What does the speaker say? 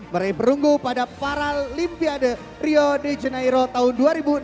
meraih perunggu pada paralimpiade rio de janeiro tahun dua ribu enam belas